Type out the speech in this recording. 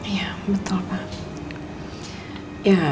iya betul pak